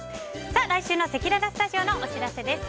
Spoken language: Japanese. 来週のせきららスタジオのお知らせです。